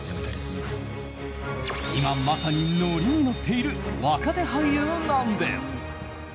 今、まさに乗りに乗っている若手俳優なんです。